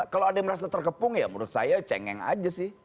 kalau ada yang merasa terkepung ya menurut saya cengeng aja sih